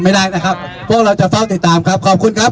ไม่ได้นะครับพวกเราจะเฝ้าติดตามครับขอบคุณครับ